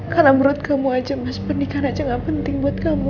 karena menurut kamu aja mas pernikahan aja gak penting buat kamu